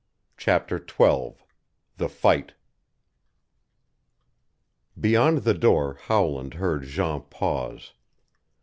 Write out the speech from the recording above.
CHAPTER XII THE FIGHT Beyond the door Howland heard Jean pause.